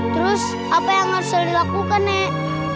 lalu apa yang harus dilakukan nek